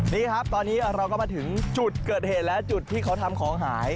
นี่ครับตอนนี้เราก็มาถึงจุดเกิดเหตุและจุดที่เขาทำของหาย